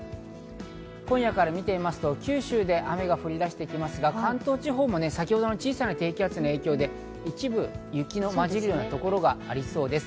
今夜から見てみますと九州で雨が降り出してきますが、関東地方も先ほどの小さな低気圧の影響で一部、雪のまじるようなところがありそうです。